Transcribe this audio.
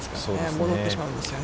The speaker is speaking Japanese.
戻ってしまうんですよね。